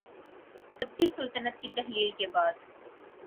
تبتی سلطنت کی تحلیل کے بعد